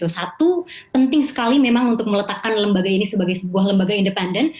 satu penting sekali memang untuk meletakkan lembaga ini sebagai sebuah lembaga independen